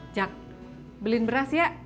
jak belin beras ya